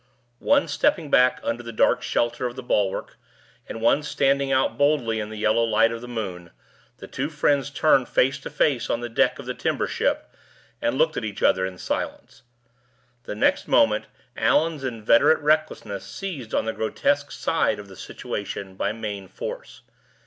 One stepping back under the dark shelter of the bulwark, and one standing out boldly in the yellow light of the moon, the two friends turned face to face on the deck of the timber ship, and looked at each other in silence. The next moment Allan's inveterate recklessness seized on the grotesque side of the situation by main force.